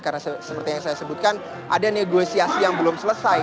karena seperti yang saya sebutkan ada negosiasi yang belum selesai